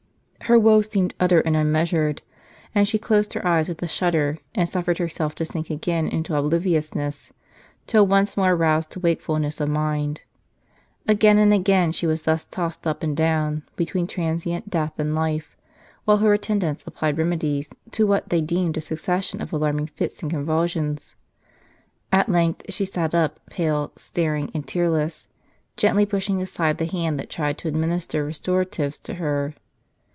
Her woe seemed utter and unmeasured; and she closed her eyes with a shudder, and suffered herself to sink again into obliviousness, till once more roused to wakefulness of mind. Again and again she was thus tossed up and down, between transient death and life, while her attendants applied remedies to what they deemed a succession of alarming fits and convulsions. At length she sat up, pale, staring, and tearless, gently pushing aside the hand that tried to adminis ter restoratives to her.